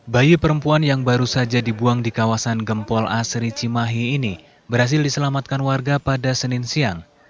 bayi perempuan yang baru saja dibuang di kawasan gempol asri cimahi ini berhasil diselamatkan warga pada senin siang